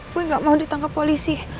gue gak mau ditangkap polisi